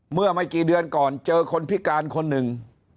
เมื่อไม่กี่เดือนก่อนเจอคนพิการคนหนึ่ง